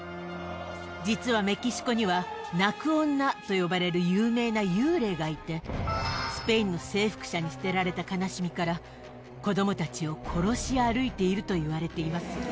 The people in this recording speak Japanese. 実はメキシコには、泣く女と呼ばれる有名な幽霊がいて、スペインの征服者に捨てられた悲しみから、子どもたちを殺し歩いているといわれています。